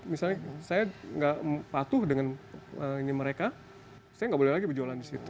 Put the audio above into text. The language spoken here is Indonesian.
misalnya saya nggak patuh dengan ini mereka saya nggak boleh lagi berjualan di situ